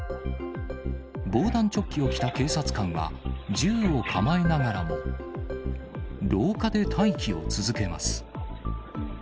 防弾チョッキを着た警察官は、銃を構えながらも、廊下で待機を続けます。